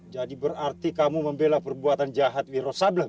jadi berarti kamu membela perbuatan jahat wirosablen